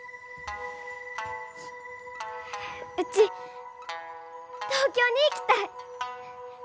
うち東京に行きたい！